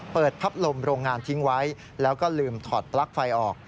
พับลมโรงงานทิ้งไว้แล้วก็ลืมถอดปลั๊กไฟออก